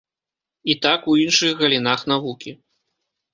І так у іншых галінах навукі.